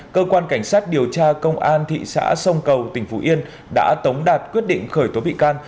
cơ quan cảnh sát điều tra công an thị xã sông cầu tỉnh phú yên đã tống đạt quyết định khởi tố bị can